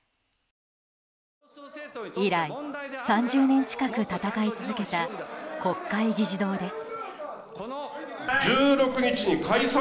以来３０年近く戦い続けた国会議事堂です。